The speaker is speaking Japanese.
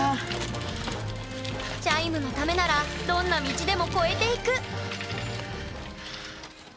チャイムのためならどんな道でも越えていく！